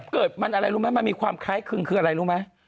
เกิดมันอะไรรู้ไหมมันมีความคล้ายคลึงคืออะไรรู้ไหม